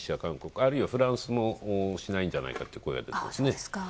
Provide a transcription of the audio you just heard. あるいはフランスもしないんじゃないかという声が出ていますね。